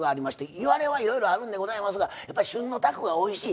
いわれはいろいろあるんですがやっぱり旬のたこがおいしい。